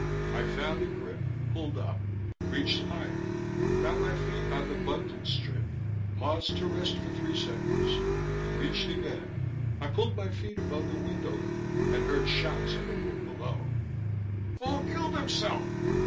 I found a grip, pulled up, reached higher, got my feet on the muntin strip, paused to rest for three seconds, reached again.... I pulled my feet above the window level and heard shouts in the room below: " fool killed himself!"